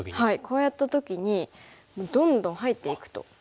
こうやった時にどんどん入っていくとどうすれば？